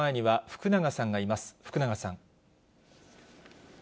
福永さん。